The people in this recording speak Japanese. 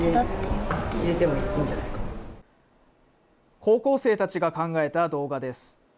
高校生たちが考えた動画です。